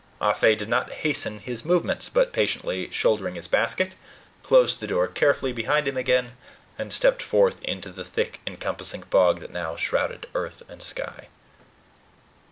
Ah Fe did not hasten his movements, but patiently shouldering his basket, closed the door carefully behind him again, and stepped forth into the thick encompassing fog that now shrouded earth and sky.